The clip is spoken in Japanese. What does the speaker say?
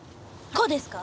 こうですか？